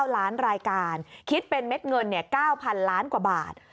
๙ล้านรายการคิดเป็นเม็ดเงิน๙๐๐ล้านกว่าบาท